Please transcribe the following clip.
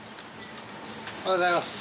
おはようございます。